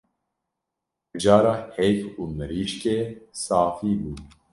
Mijara hêk û mirîşkê safî bû